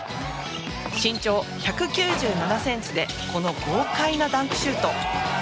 身長１９７ｃｍでこの豪快なダンクシュート！